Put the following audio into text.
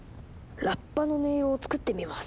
ラッパの音色を作ってみます。